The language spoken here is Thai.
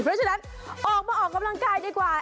เพราะฉะนั้นออกมาออกกำลังกายดีกว่า